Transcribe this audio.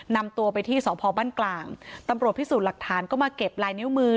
นำตัวไปที่สพบ้านกลางตำรวจพิสูจน์หลักฐานก็มาเก็บลายนิ้วมือ